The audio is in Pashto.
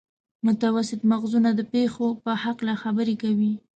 متوسط مغزونه د پېښو په هکله خبرې کوي.